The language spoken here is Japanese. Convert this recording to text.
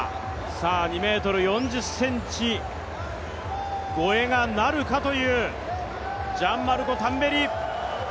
さあ２ｍ４０ｃｍ越えがなるかというジャンマルコ・タンベリ。